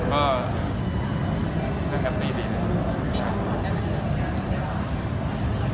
แต่มันก็แคปนี้ดีนะครับ